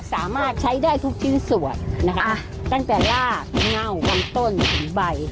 สามารถใช้ได้ทุกชิ้นส่วนนะคะตั้งแต่ลากเง่ากำต้นถึงใบ